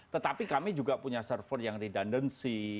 tetapi kami juga punya server yang redundancy